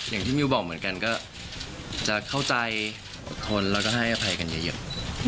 ก็อย่างที่มิวบอกเหมือนกันก็จะเข้าใจอดทนแล้วก็ให้อภัยกันเยอะ